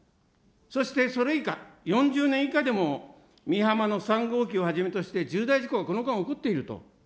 そしてそれ以下、４０年以下でも美浜の３号機をはじめとして重大事故がこの間起こっていると。